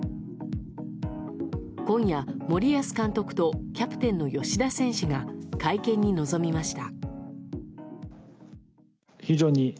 今夜、森保監督とキャプテンの吉田選手が会見に臨みました。